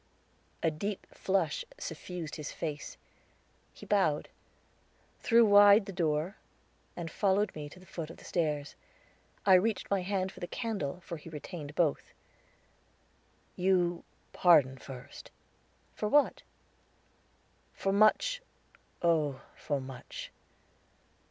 A deep flush suffused his face. He bowed, threw wide the door, and followed me to the foot of the stairs. I reached my hand for the candle, for he retained both. "You, pardon first." "For what?" "For much? oh for much."